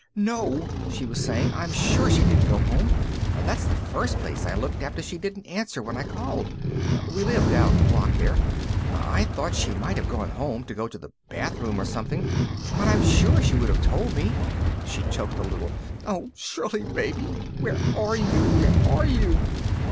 "No," she was saying, "I'm sure she didn't go home. That's the first place I looked after she didn't answer when I called. We live down the block there. I thought she might have gone home to go to the bathroom or something but I'm sure she would have told me." She choked a little. "Oh, Shirley, baby! Where are you? Where are you?"